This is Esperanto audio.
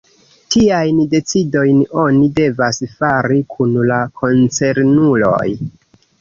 Tiajn decidojn oni devas fari kun la koncernuloj.